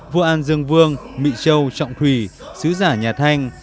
vua an dương vương mỹ châu trọng thủy sứ giả nhà thanh